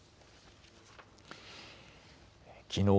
きのう